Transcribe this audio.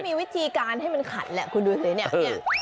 มีวิธีการให้มันขัดแหละคุณดูสิเนี่ย